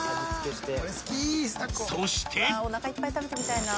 ［そして］